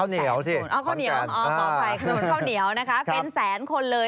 ข้าวเหนียวสิข้าวแก่นอ๋อข้าวไฟถนนข้าวเหนียวนะคะเป็นแสนคนเลย